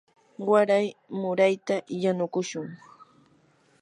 waray murayta yanukushun.